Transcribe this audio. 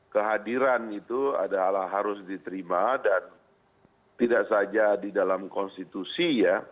kehadiran itu adalah harus diterima dan tidak saja di dalam konstitusi ya